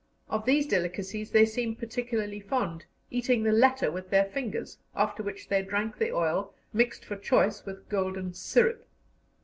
Of these delicacies they seemed particularly fond, eating the latter with their fingers, after which they drank the oil, mixed for choice with golden syrup.